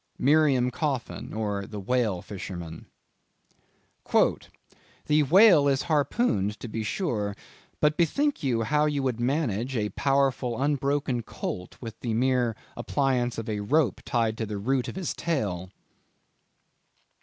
—Miriam Coffin or the Whale Fisherman. "The Whale is harpooned to be sure; but bethink you, how you would manage a powerful unbroken colt, with the mere appliance of a rope tied to the root of his tail."